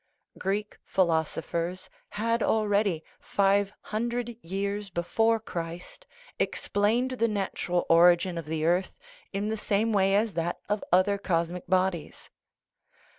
Greek philosophers had already, five hundred years before Christ, explained the natural origin of the earth in the same way as that of other cosmic bodies.